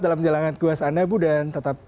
dalam menjalankan kewasan anda ibu dan tetap